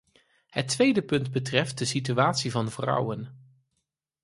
Het tweede punt betreft de situatie van vrouwen.